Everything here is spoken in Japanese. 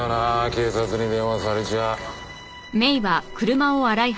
警察に電話されちゃ。